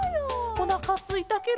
おなかすいたケロ。